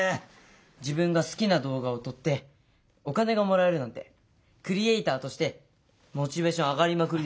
自分が好きな動画を撮ってお金がもらえるなんてクリエーターとしてモチベーション上がりまくりですよ！